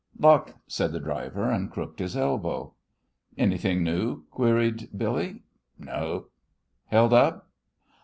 "Luck," said the driver, and crooked his elbow. "Anything new?" queried Billy. "Nope." "Held up?"